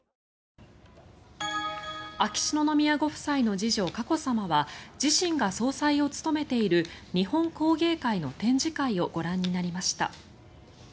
秋篠宮ご夫妻の次女佳子さまは自身が総裁を務めている日本工芸会の展示会をご覧になりました。